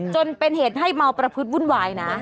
จนเป็นเหตุให้เมาประพฤติวุ่นวายนะ